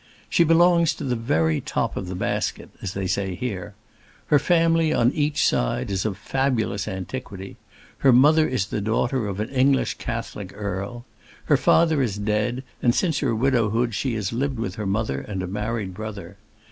She belongs to the very top of the basket, as they say here. Her family, on each side, is of fabulous antiquity; her mother is the daughter of an English Catholic earl. Her father is dead, and since her widowhood she has lived with her mother and a married brother.